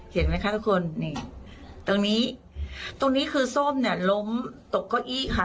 เห็นไหมคะทุกคนนี่ตรงนี้ตรงนี้คือส้มเนี่ยล้มตกเก้าอี้ค่ะ